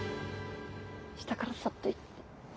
下からそっと行って。